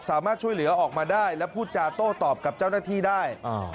สามารถช่วยเหลือออกมาได้และพูดจาโต้ตอบกับเจ้าหน้าที่ได้